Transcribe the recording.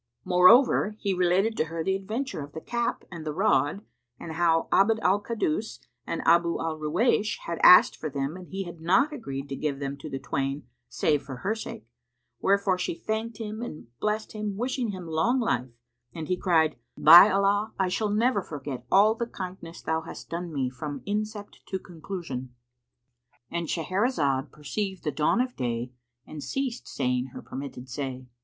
Moreover, he related to her the adventure of the cap and the rod and how Abd al Kaddus and Abu al Ruwaysh had asked for them and he had not agreed to give them to the twain save for her sake; wherefore she thanked him and blessed him wishing him long life; and he cried, "By Allah, I shall never forget all the kindness thou hast done me from incept to conclusion."—And Shahrazad perceived the dawn of day and ceased saying her permitted say.